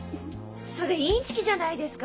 それインチキじゃないですか！